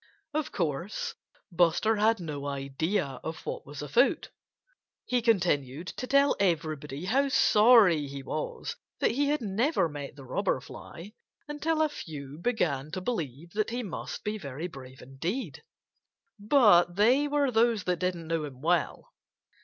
Of course, Buster had no idea of what was afoot. He continued to tell everybody how sorry he was that he had never met the Robber Fly, until a few began to believe that he must be very brave indeed. But they were those that didn't know him well.